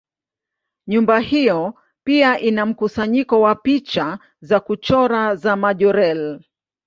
Nyumba hiyo pia ina mkusanyiko wa picha za kuchora za Majorelle.